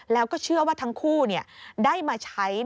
แล้วก็เชื่อว่าทั้งคู่ได้มาใช้